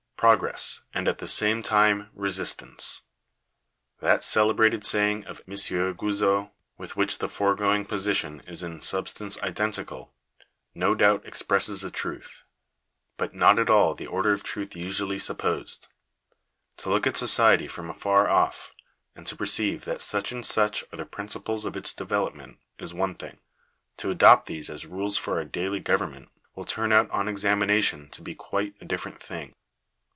" Progress, and at the same time resistance/' — that celebrated saying of M. Guizot, with which the foregoing position is in substance identical — no doubt expresses a truth ; but not at all the order of truth usually supposed. To look at society from afar off, and to perceive that such and such are the principles of its development, is one thing : to adopt these as rules for our daily government, will turn out on examination to be quite a different thing.